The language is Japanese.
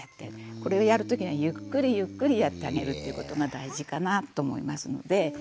これをやる時にはゆっくりゆっくりやってあげるっていうことが大事かなと思いますので。